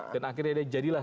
dan akhirnya dia jadilah